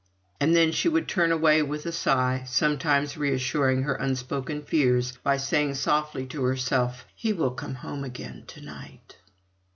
And then she would turn away with a sigh, sometimes reassuring her unspoken fears by saying softly to herself, "He will come again to night."